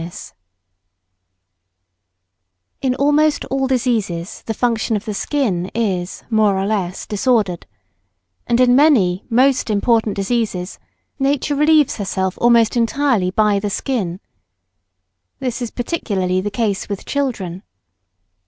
] In almost all diseases, the function of the skin is, more or less, disordered; and in many most important diseases nature relieves herself almost entirely by the skin. This is particularly the case with children.